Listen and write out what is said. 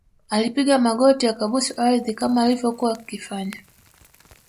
alipiga magoti akabusu ardhi kama alivyokuwa akifanya